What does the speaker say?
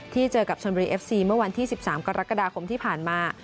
เจอกับชนบุรีเอฟซีเมื่อวันที่๑๓กรกฎาคมที่ผ่านมา